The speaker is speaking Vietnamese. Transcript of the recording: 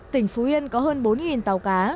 tỉnh phú yên có hơn bốn tàu cá